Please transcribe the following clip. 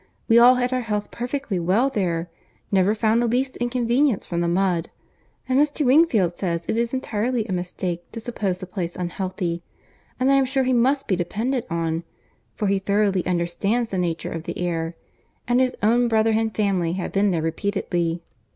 —We all had our health perfectly well there, never found the least inconvenience from the mud; and Mr. Wingfield says it is entirely a mistake to suppose the place unhealthy; and I am sure he may be depended on, for he thoroughly understands the nature of the air, and his own brother and family have been there repeatedly."